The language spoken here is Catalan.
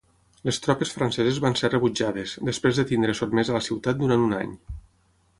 Les tropes franceses van ser rebutjades, després de tenir sotmesa la ciutat durant un any.